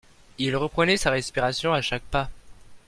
Il reprenait sa respiration à chaque pas.